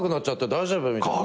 大丈夫？みたいな。